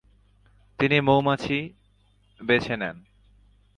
তিনি মৌমাছি বেছে নেন।